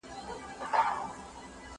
زه کولای سم پاکوالي وساتم؟